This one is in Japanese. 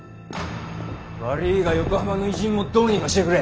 悪ぃが横浜の異人もどうにかしてくれ。